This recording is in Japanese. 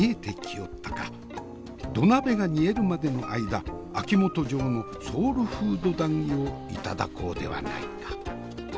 土鍋が煮えるまでの間秋元嬢のソウルフード談義を頂こうではないか。